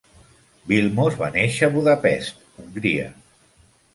Vilmos va néixer a Budapest, Hongria.